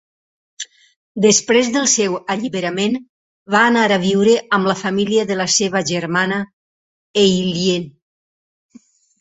Després del seu alliberament, va anar a viure amb la família de la seva germana Eileen.